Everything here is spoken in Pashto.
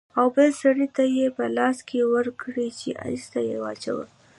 او بل سړي ته يې په لاس کښې ورکړې چې ايسته يې واچوي.